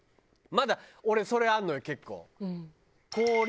まだ俺それあるのよ結構。